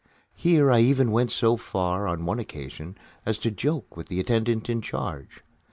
Here I even went so far on one occasion as to joke with the attendant in charge.